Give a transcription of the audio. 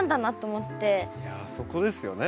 いやそこですよね。